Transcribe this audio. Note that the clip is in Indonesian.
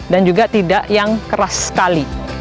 dan juga tidak yang keras sekali